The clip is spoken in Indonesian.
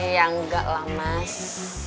iya enggak lah mas